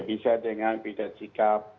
bisa dengan pindah sikap